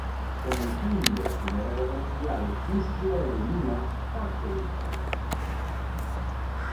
Con el fin de la Primera Guerra Mundial Istria devenía parte de Italia.